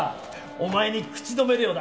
お前に口止め料だ！